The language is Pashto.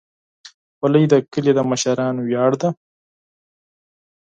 خولۍ د کلي د مشرانو ویاړ ده.